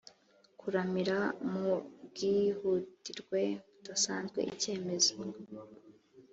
kuramira mu bwihutirwe budasanzwe icyemezo